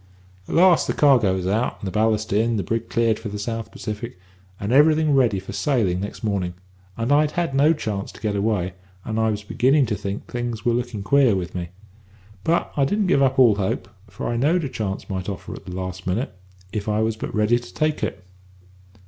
"At last the cargo was out and the ballast in, the brig cleared for the South Pacific, and everything ready for sailing next morning, and I'd had no chance to get away, and I was beginning to think things were looking queer with me. But I didn't give up all hope, for I knowed a chance might offer at the last minute, if I was but ready to take it.